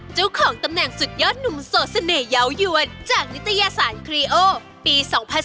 เจ้าของตำแหน่งสุดยอดหนุ่มโสดเสน่หเยาวยวนจากนิตยสารครีโอปี๒๐๑๙